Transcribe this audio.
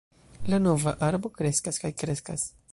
La nova arbo kreskas kaj kreskas.